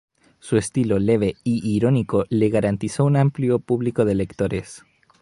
Su estilo leve e irónico le garantizó un amplio público de lectores.